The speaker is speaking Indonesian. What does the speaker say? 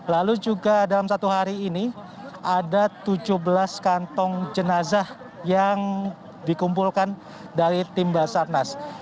lalu juga dalam satu hari ini ada tujuh belas kantong jenazah yang dikumpulkan dari tim basarnas